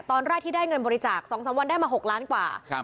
ตอนแรกที่ได้เงินบริจาค๒๓วันได้มา๖ล้านกว่า